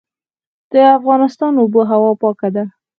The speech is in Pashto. د افغانستان اوبه هوا پاکه ده